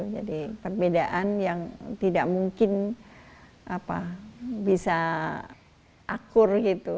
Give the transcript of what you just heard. jadi perbedaan yang tidak mungkin bisa akur gitu